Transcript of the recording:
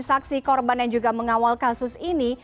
saksi korban yang juga mengawal kasus ini